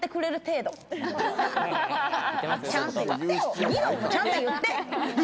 義堂もちゃんと言って。